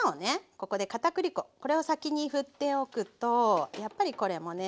ここでかたくり粉を先にふっておくとやっぱりこれもね